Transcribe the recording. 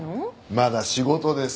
まだ仕事です。